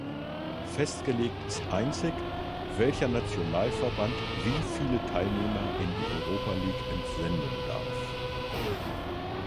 Festgelegt ist einzig, welcher Nationalverband wie viele Teilnehmer in die Europa League entsenden darf.